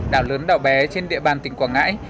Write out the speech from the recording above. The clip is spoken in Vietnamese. đảo lớn đảo bé trên địa bàn tỉnh quảng ngãi